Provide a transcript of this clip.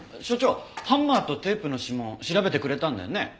所長ハンマーとテープの指紋調べてくれたんだよね？